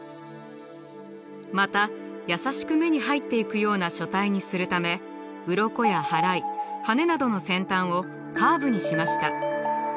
また優しく目に入っていくような書体にするためうろこや払いはねなどの先端をカーブにしました。